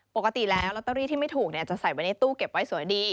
ปกติแล้วลอตเตอรี่ที่ไม่ถูกจะใส่ไว้ในตู้เก็บไว้สวยดี